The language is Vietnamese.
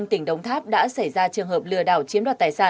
tôi thấy rất tốt